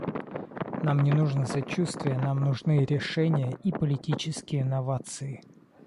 Нам не нужно сочувствие; нам нужны решения и политические новации.